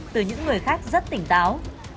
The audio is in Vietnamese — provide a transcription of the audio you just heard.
từ những người khác rất tỉnh táo